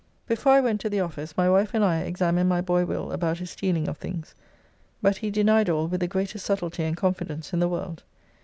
Before I went to the office my wife and I examined my boy Will about his stealing of things, but he denied all with the greatest subtlety and confidence in the world.